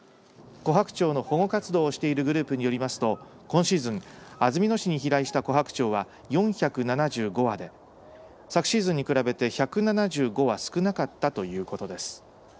コハクチョウの保護活動をしているグループによりますと今シーズン、安曇野市に飛来したコハクチョウは４７５羽で昨シーズンに比べて１７５羽少なかったということです。